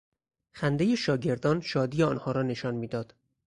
خندهی شاگردان شادی آنها را نشان میداد.